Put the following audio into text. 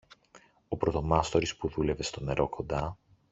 Ο πρωτομάστορης που δούλευε στο νερό κοντά